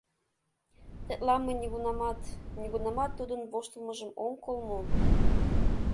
Тетла мый нигунамат, нигунамат тудын воштылмыжым ом кол мо?